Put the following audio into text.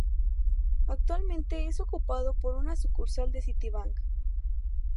Actualmente es ocupado por una sucursal del Citibank.